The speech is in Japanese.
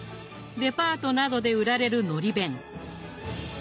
デパートなどで売られるのり弁。